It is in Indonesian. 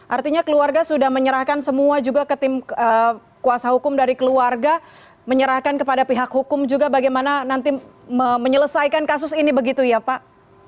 artinya keluarga sudah menyerahkan semua juga ke tim kuasa hukum dari keluarga menyerahkan kepada pihak hukum juga bagaimana nanti menyelesaikan kasus ini begitu ya pak